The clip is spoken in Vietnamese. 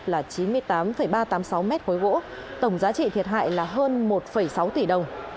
là chín mươi tám ba trăm tám mươi sáu mét khối gỗ tổng giá trị thiệt hại là hơn một sáu tỷ đồng